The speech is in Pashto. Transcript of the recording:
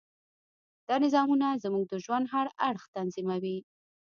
دا نظامونه زموږ د ژوند هر اړخ تنظیموي.